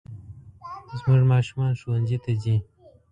زموږ ماشومان ښوونځي ته ځي